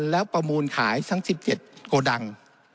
แล้วประมูลขายทั้ง๑๗โกดัง